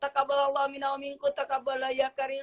takabalallah minal minku takabalillah ya karim